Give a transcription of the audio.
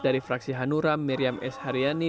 dari fraksi hanura miriam s haryani